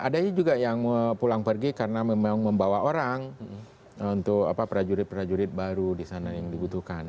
ada juga yang pulang pergi karena memang membawa orang untuk prajurit prajurit baru di sana yang dibutuhkan